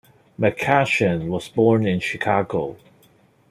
McCashin was born in Chicago.